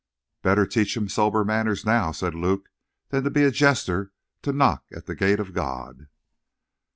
"'Better teach him sober manners now,' said Luke, 'than be a jester to knock at the gate of God.'